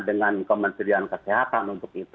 dengan kementerian kesehatan untuk itu